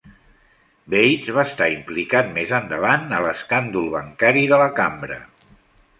Bates va estar implicat més endavant a l'escàndol bancari de la Cambra.